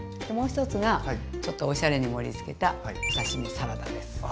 ともう一つがちょっとおしゃれに盛りつけたお刺身サラダです。